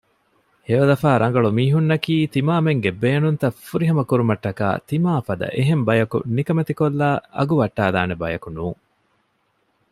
ހެޔޮލަފާ ރަނގަޅު މީހުންނަކީ ތިމާމެންގެ ބޭނުންތައް ފުރިހަމަކުރުމަށްޓަކައި ތިމާފަދަ އެހެން ބަޔަކު ނިކަމެތިކޮށްލައި އަގުވައްޓައިލާނެ ބަޔަކުނޫން